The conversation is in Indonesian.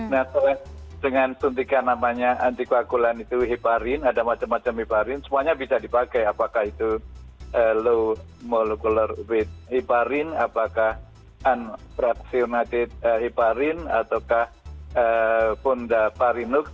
nah soal dengan suntikan namanya antikoagulan itu heparin ada macam macam heparin semuanya bisa dipakai apakah itu low molecular weight heparin apakah unpractionated heparin ataukah fundaparinux